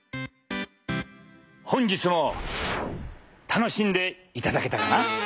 本日も楽しんでいただけたかな？